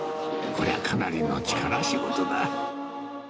こりゃ、かなりの力仕事だ。